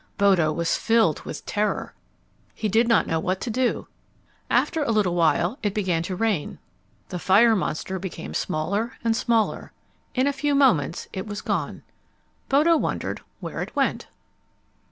Bodo was filled with terror. He did not know what to do. After a little it began to rain. The fire monster became smaller and smaller. In a few moments it was gone. Bodo wondered where it went.